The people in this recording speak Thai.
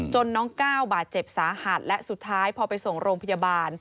น้องก้าวบาดเจ็บสาหัสและสุดท้ายพอไปส่งโรงพยาบาล